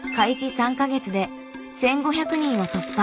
３か月で１５００人を突破。